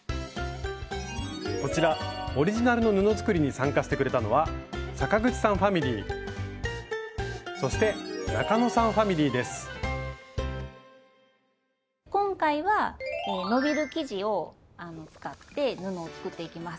こちらオリジナルの布作りに参加してくれたのは今回は伸びる生地を使って布を作っていきます。